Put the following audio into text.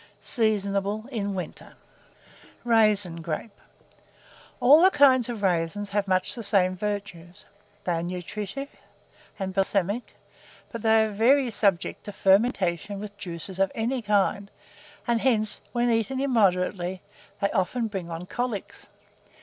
Seasonable in winter. [Illustration: RAISIN GRAPE.] RAISIN GRAPE. All the kinds of raisins have much the same virtues; they are nutritive and balsamic, but they are very subject to fermentation with juices of any kind; and hence, when eaten immoderately, they often bring on colics.